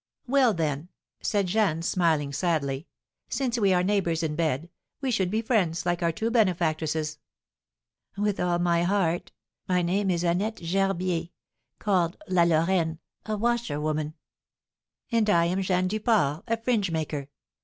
"Well, then," said Jeanne, smiling sadly, "since we are neighbours in bed, we should be friends like our two benefactresses." "With all my heart! My name is Annette Gerbier, called La Lorraine, a washerwoman." "And I am Jeanne Duport, a fringe maker.